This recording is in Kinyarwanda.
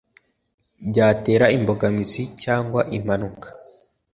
byatera imbogamizi cyangwa impanuka.